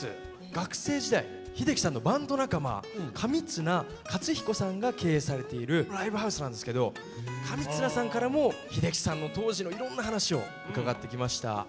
学生時代秀樹さんのバンド仲間上綱克彦さんが経営されているライブハウスなんですけど上綱さんからも秀樹さんの当時のいろんな話を伺ってきました。